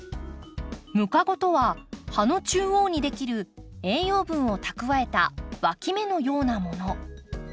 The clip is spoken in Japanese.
ムカゴとは葉の中央にできる栄養分を蓄えたわき芽のようなもの。